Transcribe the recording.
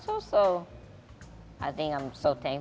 saya pikir itu saja yang saya pikirkan